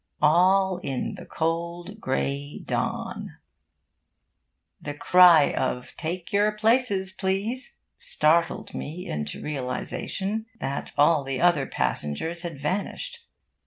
All in the cold grey dawn... The cry of 'Take your places, please!' startled me into realisation that all the other passengers had vanished.